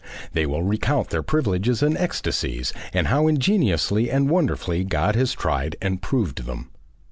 They will recount their privileges and ecstasies, and how ingeniously and wonderfully God has tried and proved them.